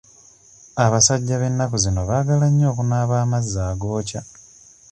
Abasajja b'ennaku zino baagala nnyo okunaaba amazzi agookya.